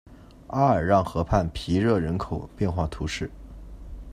阿尔让河畔皮热人口变化图示